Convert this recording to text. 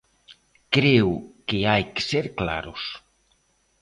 Creo que hai que ser claros.